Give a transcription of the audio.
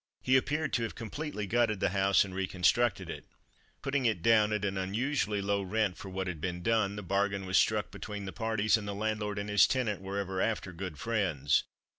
He appeared to have completely gutted the house and reconstructed it. Putting it down at an unusually low rent for what had been done, the bargain was struck between the parties, and the landlord and his tenant were ever after good friends.